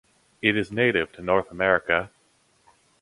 It is native to North America.